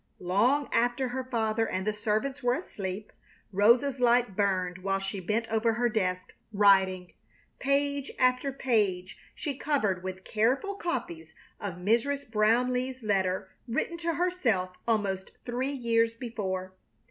Long after her father and the servants were asleep Rosa's light burned while she bent over her desk, writing. Page after page she covered with careful copies of Mrs. Brownleigh's letter written to herself almost three years before.